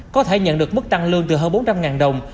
có thể nhận được mức tăng lương từ hơn bốn trăm linh đồng